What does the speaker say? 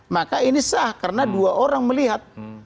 maka ini sah karena dua orang melihat